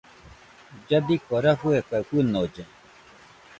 Lladiko rafue kaɨ fɨnolle.